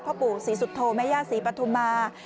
พ่อปู่ศรีสุโธแม่ย่าศรีปฐุมา